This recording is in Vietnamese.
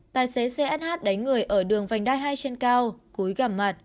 tài xế xe sh đánh người ở đường vành đai hai trên cao cúi gà mặt